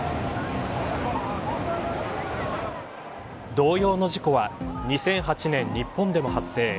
同様の事故は２００８年、日本でも発生。